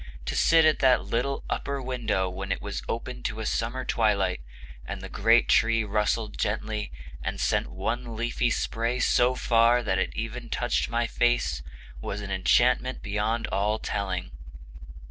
To sit at that little upper window when it was open to a summer twilight, and the great tree rustled gently, and sent one leafy spray so far that it even touched my face, was an enchantment beyond all telling.